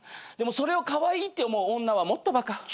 でもそれをカワイイって思う女はもっとバカ。